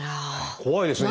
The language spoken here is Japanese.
怖いですね。